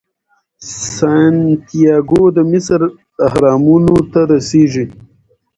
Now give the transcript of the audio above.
سانتیاګو د مصر اهرامونو ته رسیږي.